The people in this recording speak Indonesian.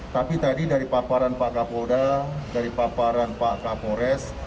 tapi tadi dari paparan pak kapolda dari paparan pak kapolres